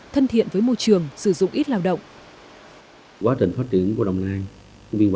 thành phố biên hòa đã và đang ưu tiên phát triển mạnh công nghiệp công nghệ cao